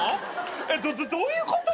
えっどっどういうこと？